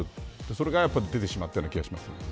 それが出てしまっている気がします。